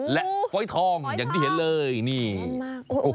และฟ้อยทองอย่างที่เห็นเลยนี่มาก